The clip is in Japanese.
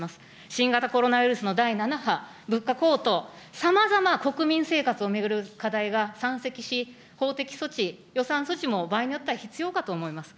新型コロナウイルスの第７波、物価高騰、さまざま国民生活を巡る課題が山積し、法的措置、予算措置も場合によっては必要かと思います。